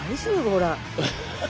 ほら。